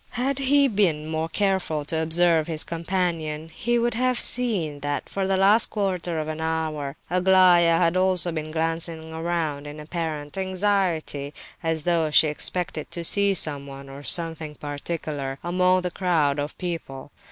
Had he been more careful to observe his companion, he would have seen that for the last quarter of an hour Aglaya had also been glancing around in apparent anxiety, as though she expected to see someone, or something particular, among the crowd of people.